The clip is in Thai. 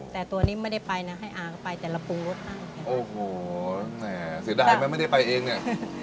แต่ตัวนี้ไม่ได้ไปนะให้อาก็ไปแต่ละปรุงรสบ้างโอ้โหแหมเสียดายไหมไม่ได้ไปเองเนี่ย